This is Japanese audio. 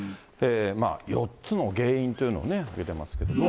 ４つの原因というのをね、挙げてますけども。